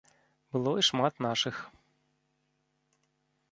Было і шмат нашых.